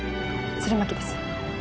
弦巻です